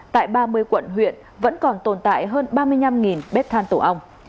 tại ba mươi quận huyện vẫn còn tồn tại hơn ba mươi năm bếp than tổ ong